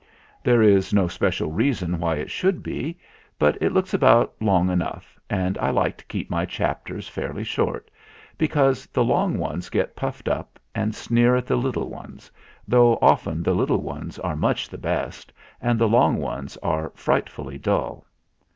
There is no special reason why it should be; but it looks about long enough, and I like to keep my chapters fairly short, because the long ones get puffed up and sneer at the little ones, though often the little ones are much the best and the long ones are frightfully dull.